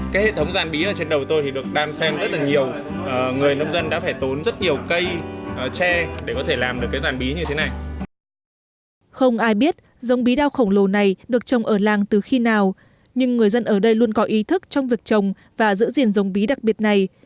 không ai biết giống bí đao khổng lồ này được trồng ở làng từ khi nào nhưng người dân ở đây luôn có ý thức trong việc trồng và giữ diện giống bí đặc biệt này